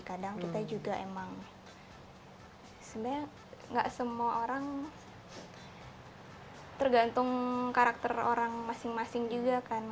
kadang kita juga emang sebenarnya gak semua orang tergantung karakter orang masing masing juga kan